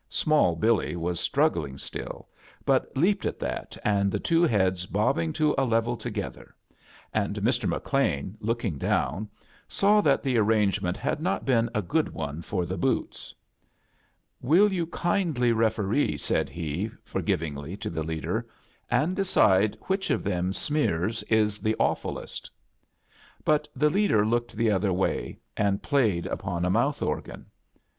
Small Billy was struggling still, but leap ed at that, the two heads bobbing to a level together; and Mr. McLean, looking down, saw that the arrangement had not been a good one for the bcwts. "WiU you kindly referee," said he, for A JOURNEY IN SEARCH OT CHRBTMAS ghringly, to the leader, "and clecide wbich of them smears is the awfulest?" Btit the leader looked the other way aod i^yed upon a mouth oi^an.